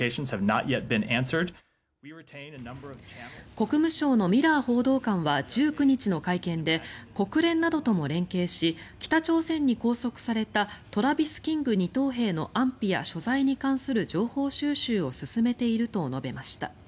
国務省のミラー報道官は１９日の会見で国連などとも連携し北朝鮮に拘束されたトラビス・キング２等兵の安否や所在に関する情報収集を進めていると述べました。